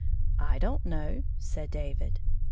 " I don't know," said David.